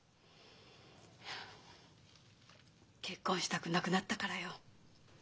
結婚したくなくなったからよ。